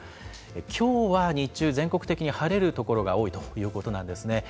きょうは、日中、全国的に晴れる所が多いということなんですね。